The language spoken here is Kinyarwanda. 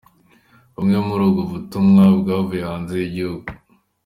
Bumwe muri ubwo butumwa bwavuye hanze y’igihugu.